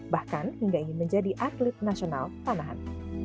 bahkan hingga ingin menjadi atlet nasional panahan